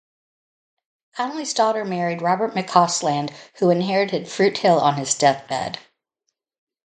Conolly's daughter married Robert McCausland, who inherited Fruithill on his death.